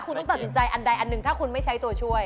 คุณต้องตัดสินใจอันใดอันหนึ่งถ้าคุณไม่ใช้ตัวช่วย